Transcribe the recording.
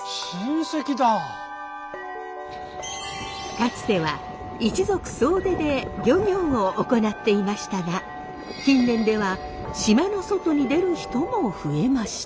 かつては一族総出で漁業を行っていましたが近年では島の外に出る人も増えました。